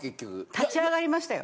立ち上がりましたよ。